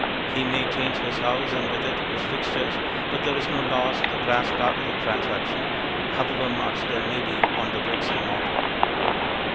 He may change his house and with it his Fixtures, but there is no loss on the brass part of the transaction, however much there may be on the bricks and mortar.